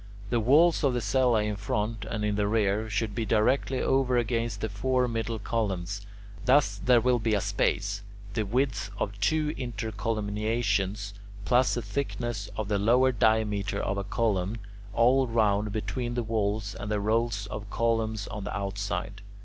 The walls of the cella in front and in the rear should be directly over against the four middle columns. Thus there will be a space, the width of two intercolumniations plus the thickness of the lower diameter of a column, all round between the walls and the rows of columns on the outside.